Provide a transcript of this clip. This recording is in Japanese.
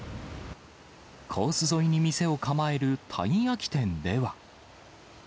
コース沿いに店を構えるたい焼き店では。